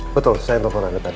betul saya yang telfon anda tadi